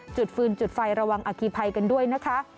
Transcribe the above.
ฟืนจุดไฟระวังอาคีภัยกันด้วยนะคะ